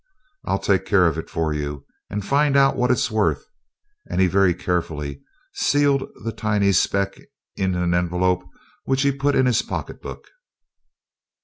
I'll take care of it for you, and find out what it is worth," and he very carefully sealed the tiny speck in an envelope which he put in his pocketbook.